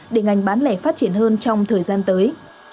để ngành bán lẻ phát triển hơn trong thời gian tới